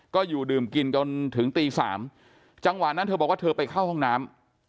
ก็อยู่ดื่มกินจนถึงตี๓จังหวะนั้นเธอบอกว่าเธอไปเข้าห้องน้ำ